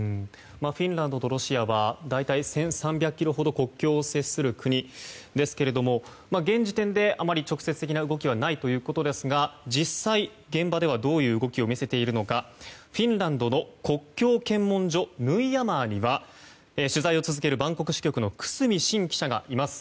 フィンランドとロシアは大体１３００ｋｍほど国境を接する国ですけれども現時点で、あまり直接的な動きはないということですが実際、現場ではどういう動きを見せているのかフィンランドの国境検問所ヌイヤマーには取材を続ける久須美慎記者がいます。